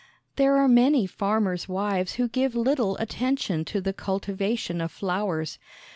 There are many farmers' wives who give little attention to the cultivation of flowers.